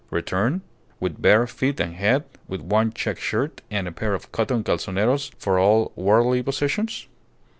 Return? With bare feet and head, with one check shirt and a pair of cotton calzoneros for all worldly possessions?